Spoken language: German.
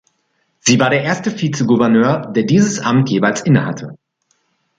Sie war der erste Vizegouverneur, der dieses Amt jeweils innehatte.